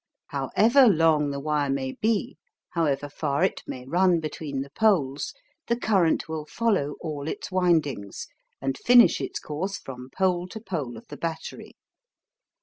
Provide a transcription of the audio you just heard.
However long the wire may be, however far it may run between the poles, the current will follow all its windings, and finish its course from pole to pole of the battery.